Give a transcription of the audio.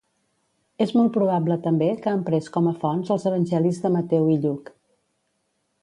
És molt probable també que emprés com a fonts els evangelis de Mateu i Lluc.